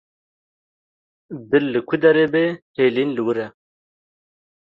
Dil li ku derê be, hêlîn li wir e.